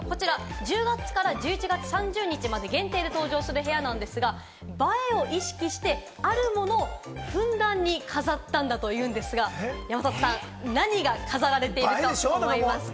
１０月から１１月３０日まで限定で登場する部屋なんですが、映えを意識してあるものをふんだんに飾ったんだというんですが、山里さん、何が飾られていると思いますか？